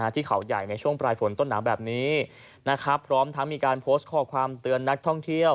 ที่เขาใหญ่ในช่วงปลายฝนต้นหนาวแบบนี้นะครับพร้อมทั้งมีการโพสต์ข้อความเตือนนักท่องเที่ยว